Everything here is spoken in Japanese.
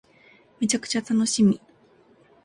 めちゃくちゃ楽しみ